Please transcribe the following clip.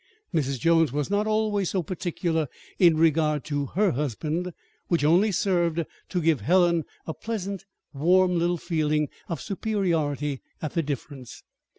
Mrs. Jones was not always so particular in regard to her husband which only served to give Helen a pleasant, warm little feeling of superiority at the difference.